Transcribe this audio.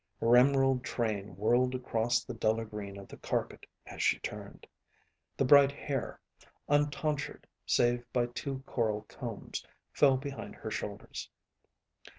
Her emerald train whirled across the duller green of the carpet as she turned. The bright hair, untonsured save by two coral combs, fell behind her shoulders.